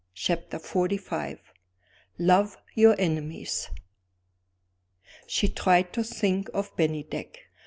Chapter XLV. Love Your Enemies. She tried to think of Bennydeck.